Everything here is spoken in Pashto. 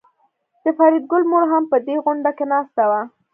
د فریدګل مور هم په دې غونډه کې ناسته وه